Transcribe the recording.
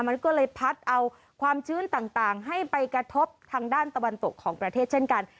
มันก็เลยพัดเอาความชื้นต่างให้ไปกระทบทางด้านตะวันตกของประเทศเช่นกัน